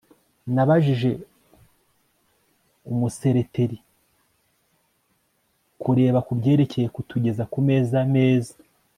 nabajije umusereteri kureba kubyerekeye kutugeza kumeza meza